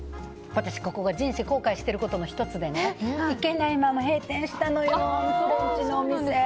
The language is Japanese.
私、ここが人生後悔していることの１つで行けないまま閉店したのよフレンチのお店。